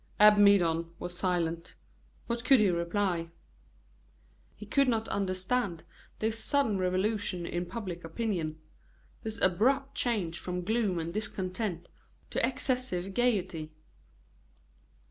Abbe Midon was silent. What could he reply? He could not understand this sudden revolution in public opinion this abrupt change from gloom and discontent to excessive gayety.